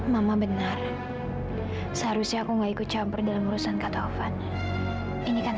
mama benar seharusnya aku nggak ikut campur dalam urusan kata afan ini kan